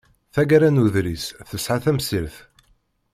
Tagara n uḍris tesɛa tamsirt.